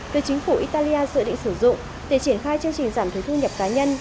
được chính phủ italia dự định sử dụng để triển khai chương trình giảm thuế thu nhập cá nhân